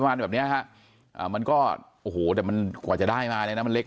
ประมาณแบบเนี่ยมันก็โอ้โหแต่มันกว่าจะได้มาเลยนะมันเล็ก